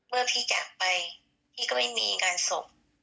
เมื่อพี่จากไปพี่ก็ไม่มีงานศพ